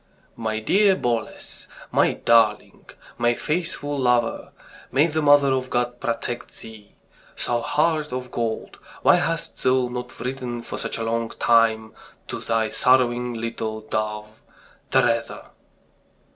"My dear Boles ... my darling ... my faithful lover. May the Mother of God protect thee! Thou heart of gold, why hast thou not written for such a long time to thy sorrowing little dove, Teresa?"